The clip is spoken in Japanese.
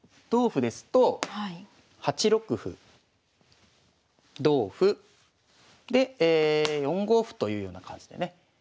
同歩ですと８六歩同歩で４五歩というような感じでね